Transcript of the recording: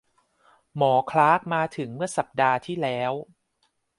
หมอคลาร์กมาถึงเมื่อสัปดาห์ที่แล้ว